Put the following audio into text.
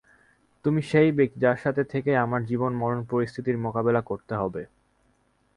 তুমি সেই ব্যক্তি, যার সাথে থেকেই আমার জীবন-মরণ পরিস্থিতির মোকাবেলা করতে হবে।